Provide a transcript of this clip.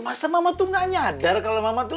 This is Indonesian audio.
masa mama tuh gak nyadar kalau mama tuh